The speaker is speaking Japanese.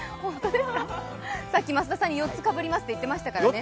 さっき増田さんに４つかぶりますと言ってましたからね。